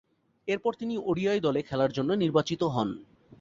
এরপর তিনি ওডিআই দলে খেলার জন্য নির্বাচিত হন।